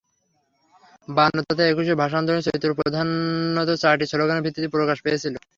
বায়ান্ন তথা একুশের ভাষা আন্দোলনের চরিত্র প্রধানত চারটি স্লোগানের ভিত্তিতে প্রকাশ পেয়েছিল।